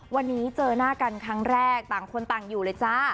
วันนี้เจอหน้ากันครั้งแรกต่างคนต่างอยู่เลยจ้า